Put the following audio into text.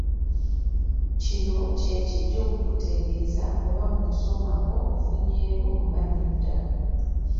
Kino kye kijja okukutegeeza oba mu kusoma kwo ofunyeemu oba nedda.